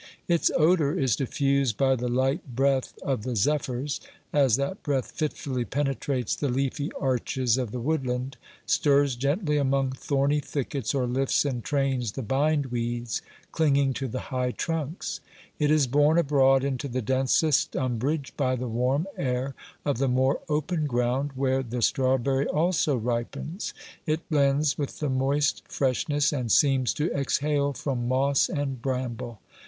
Its odour is diffused by the light breath of the zephyrs, as that breath fitfully penetrates the OBERMANN 243 leafy arches of the woodland, stirs gently among thorny thickets, or Hfts and trains the bindweeds clinging to the high trunks. It is borne abroad into the densest umbrage by the warm air of the more open ground, where the strawberry also ripens ; it blends with the moist freshness and seems to exhale from moss and bramble.